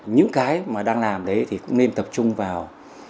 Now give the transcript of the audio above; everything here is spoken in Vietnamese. những cái mà đang làm đấy thì cũng nên tập trung vào